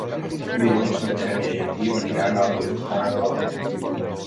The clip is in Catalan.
Dilluns na Xènia i en Guim aniran a Vallfogona de Balaguer.